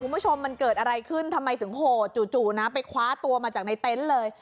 คุณผู้ชมมันเกิดอะไรขึ้นทำไมถึงโหดจู่นะไปคว้าตัวมาจากในเต็นต์เลย